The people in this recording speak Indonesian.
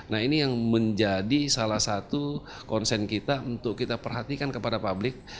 nah ini yang menjadi salah satu konsen kita untuk kita perhatikan kepada publik